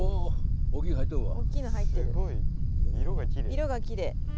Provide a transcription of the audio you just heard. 色がきれい。